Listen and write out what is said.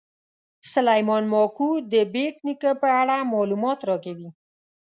سلیمان ماکو د بېټ نیکه په اړه معلومات راکوي.